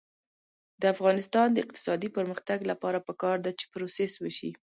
د افغانستان د اقتصادي پرمختګ لپاره پکار ده چې پروسس وشي.